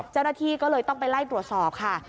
เจ้าหน้าที่ก็เลยต้องไปไล่ตรวจสอบค่ะ